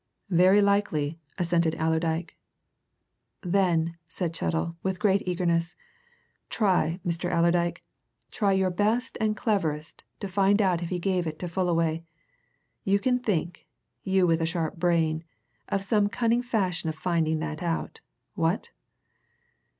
"Very likely," assented Allerdyke. "Then," said Chettle with great eagerness, "try, Mr. Allerdyke, try your best and cleverest to find out if he gave it to Fullaway. You can think you with a sharp brain! of some cunning fashion of finding that out. What?"